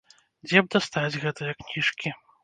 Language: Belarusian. Дзе б дастаць гэтыя кніжкі?